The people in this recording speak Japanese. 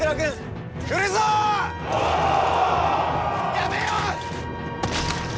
やめよ！